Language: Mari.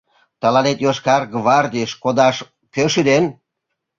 Тыланет йошкар гвардиеш кодаш кӧ шӱден?